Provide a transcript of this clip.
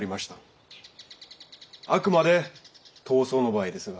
あくまで痘瘡の場合ですが。